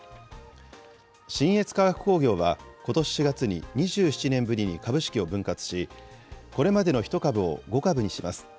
信越化学工業はことし４月に２７年ぶりに株式を分割し、これまでの１株を５株にします。